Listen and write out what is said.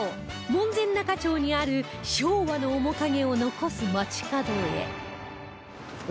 門前仲町にある昭和の面影を残す街角へ